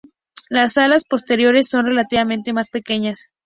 Las alas posteriores son relativamente más pequeñas.